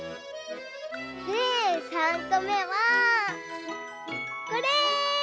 でさんこめはこれ！